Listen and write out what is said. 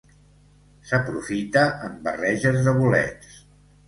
S'aprofita en barreges de bolets.